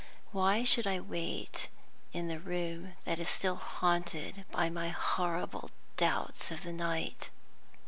Why should I wait in the room that is still haunted by my horrible doubts of the night?